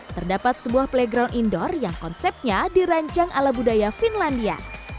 terdapat sebuah playground indoor yang konsepnya dirancang ala budaya finlandia